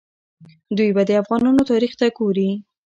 دوی به د افغانانو تاریخ ته ګوري.